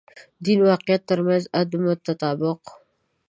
دین واقعیت تر منځ عدم تطابق.